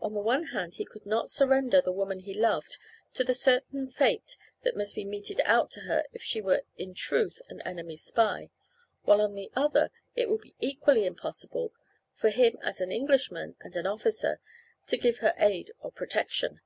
On the one hand he could not surrender the woman he loved to the certain fate that must be meted out to her if she were in truth an enemy spy, while on the other it would be equally impossible for him as an Englishman and an officer to give her aid or protection.